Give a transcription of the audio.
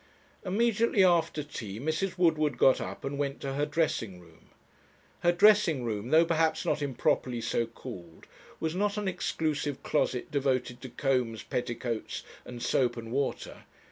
Immediately after tea Mrs. Woodward got up and went to her dressing room. Her dressing room, though perhaps not improperly so called, was not an exclusive closet devoted to combs, petticoats, and soap and water.